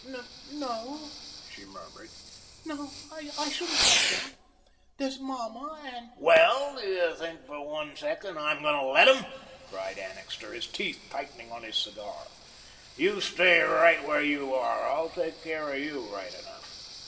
"N no," she murmured. "No, I shouldn't like that. There's mamma and " "Well, do you think for one second I'm going to let 'em?" cried Annixter, his teeth tightening on his cigar. "You stay right where you are. I'll take care of you, right enough.